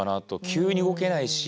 急に動けないし。